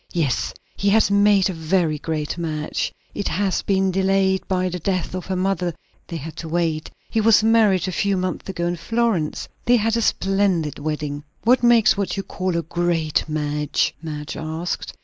"Yes, he has made a very great match. It has been delayed by the death of her mother; they had to wait. He was married a few months ago, in Florence. They had a splendid wedding." "What makes what you call a 'great match'?" Madge asked.